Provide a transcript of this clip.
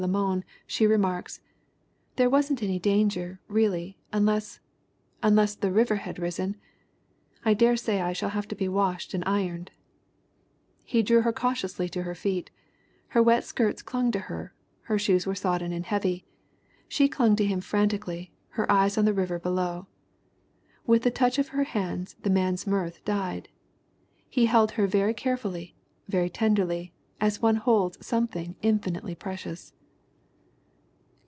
Le Moyne, she remarks :" 'There wasn't any danger, really, unless unless the river had risen. ... I dare say I shall have to be washed, and ironed/ "He drew her cautiously to her feet. Her wet skirts clung to her ; her shoes were sodden and heavy. She clung to him frantically, her eyes on the river be low. With the touch of her hands the man's mirth died. He held her very carefully, very tenderly, as one holds something infinitely precious."